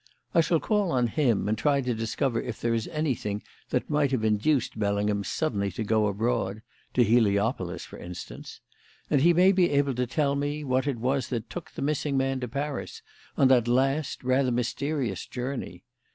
I shall call on him and try to discover if there is anything that might have induced Bellingham suddenly to go abroad to Heliopolis, for instance. Also, he may be able to tell me what it was that took the missing man to Paris on that last, rather mysterious journey.